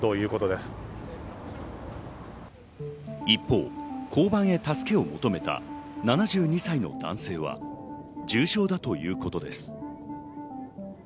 一方、交番へ助けを求めた７２歳の男性は重傷だということです。